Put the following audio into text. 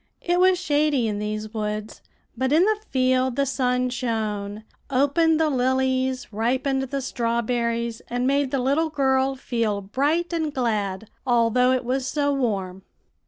"It was shady in these woods, but in the field the sun shone, opened the lilies, ripened the strawberries, and made the little girl feel bright and glad, although it was so warm.